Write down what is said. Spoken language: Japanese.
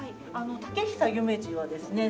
竹久夢二はですね